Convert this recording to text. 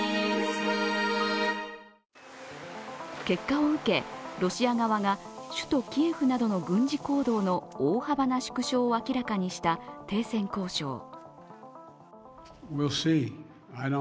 結果を受け、ロシア側が首都キエフなどの軍事行動の大幅な縮小を明らかにした停戦交渉。